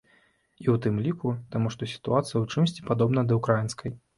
І ў тым ліку таму, што сітуацыя ў чымсьці падобная да ўкраінскай.